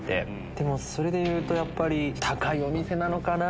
でもそれでいうとやっぱり高いお店なのかな？